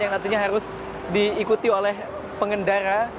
yang nantinya harus diikuti oleh pengendara